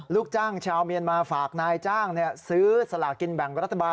ลูกจ้างชาวเมียนมาฝากนายจ้างซื้อสลากินแบ่งรัฐบาล